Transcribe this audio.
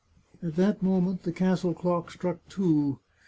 " At that moment the castle clock struck two.